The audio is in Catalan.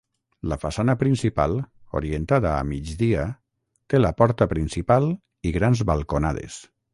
La façana principal, orientada a migdia, té la porta principal i grans balconades.